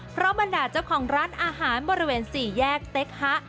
เพราะบรรดาเจ้าของร้านอาหารบริเวณ๔แยกเต็กฮะ